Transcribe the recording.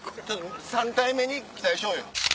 ３体目に期待しようよ。